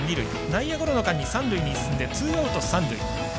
内野ゴロの間に三塁に進んで、ツーアウト、三塁。